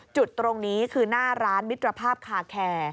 จุดตรงนี้คือหน้าร้านมิตรภาพคาแคร์